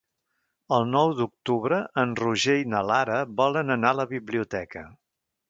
El nou d'octubre en Roger i na Lara volen anar a la biblioteca.